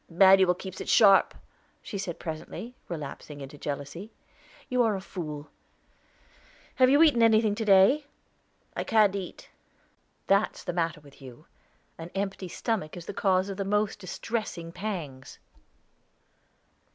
"Manuel keeps it sharp," she said presently, relapsing into jealousy. "You are a fool. Have you eaten anything to day?" "I can't eat." "That's the matter with you an empty stomach is the cause of most distressing pangs."